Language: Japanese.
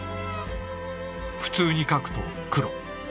普通に書くと黒。